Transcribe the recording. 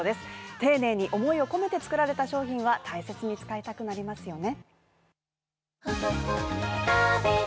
丁寧に思いを込めて作られた商品は大切に使いたくなりますよね。